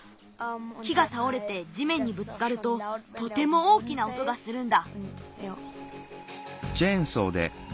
木がたおれてじめんにぶつかるととても大きな音がするんだ。